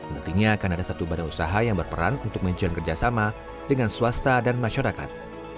nantinya akan ada satu badan usaha yang berperan untuk menjalin kerjasama dengan swasta dan masyarakat